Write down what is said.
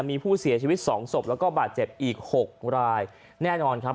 มีผู้เสียชีวิตสองศพแล้วก็บาดเจ็บอีกหกรายแน่นอนครับ